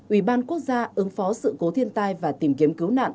ủy ban quốc gia ứng phó sự cố thiên tai và tìm kiếm cứu nạn